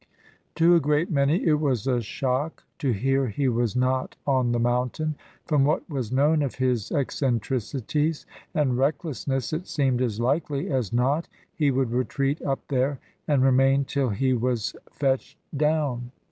To a great many it was a shock to hear he was not on the mountain. From what was known of his eccentricities and recklessness, it seemed as likely as not he would retreat up there and remain till he was fetched down.